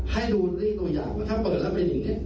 ให้ดูด้วยตัวอย่างว่าถ้าเปิดแล้วเป็นอย่างนี้